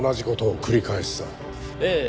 ええ。